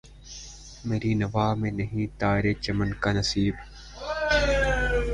مری نوا میں نہیں طائر چمن کا نصیب